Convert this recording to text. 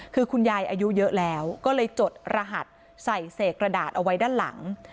คือคุณยายอายุเยอะแล้วก็เลยจดรหัสใส่เสกกระดาษเอาไว้ด้านหลัง